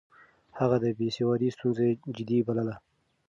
هغه د بې سوادۍ ستونزه جدي بلله.